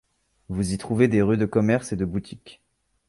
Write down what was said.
Vous y trouvez des rues de commerces et de boutiques.